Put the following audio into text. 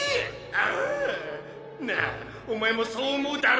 ああなあおまえもそう思うだろ？